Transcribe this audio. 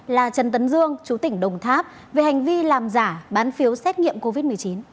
là trần tấn dương chú tỉnh đồng tháp về hành vi làm giả bán phiếu xét nghiệm covid một mươi chín